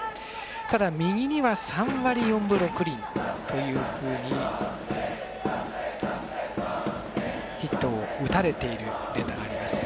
ただ、右には３割４分６厘というふうにヒットを打たれているデータがあります。